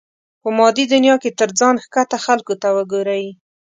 په مادي دنيا کې تر ځان ښکته خلکو ته وګورئ.